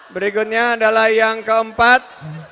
berikutnya adalah yang keempat